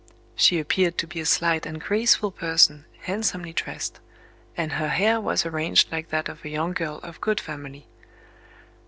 She appeared to be a slight and graceful person, handsomely dressed; and her hair was arranged like that of a young girl of good family.